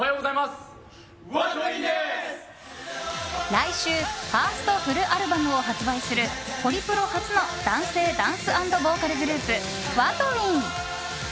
来週ファーストフルアルバムを発売するホリプロ初の男性ダンス＆ボーカルグループＷＡＴＷＩＮＧ。